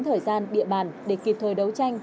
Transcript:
thời gian địa bàn để kịp thời đấu tranh